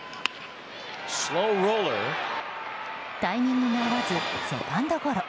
タイミングが合わずセカンドゴロ。